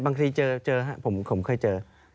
บางทีเจอผมเคยเจอ